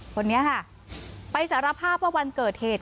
คนนี้ค่ะไปสารภาพว่าวันเกิดเหตุ